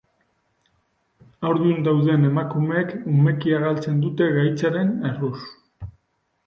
Haurdun dauden emakumeek umekia galtzen dute gaitzaren erruz.